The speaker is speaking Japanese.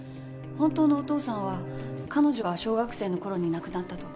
本当のお父さんは彼女が小学生の頃に亡くなったと。